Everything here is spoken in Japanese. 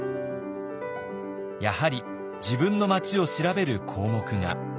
やはり自分の町を調べる項目が。